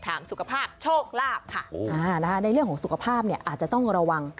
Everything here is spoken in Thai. สุขภาพโชคลาภค่ะในเรื่องของสุขภาพเนี่ยอาจจะต้องระวัง